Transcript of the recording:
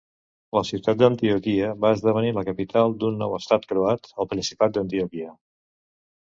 La ciutat d'Antioquia va esdevenir la capital d'un nou estat croat, el Principat d'Antioquia.